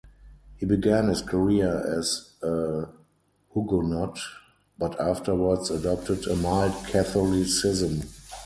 He began his career as a Huguenot, but afterwards adopted a mild Catholicism.